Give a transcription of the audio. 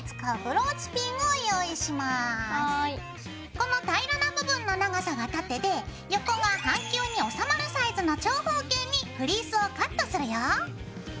この平らな部分の長さが縦で横が半球に収まるサイズの長方形にフリースをカットするよ。